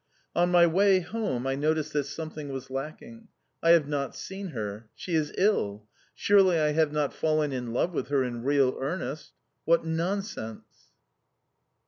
On my way home I noticed that something was lacking. I have not seen her! She is ill! Surely I have not fallen in love with her in real earnest?... What nonsense!